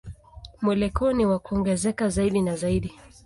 Mwelekeo ni wa kuongezeka zaidi na zaidi.